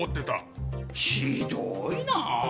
ひどいなあ！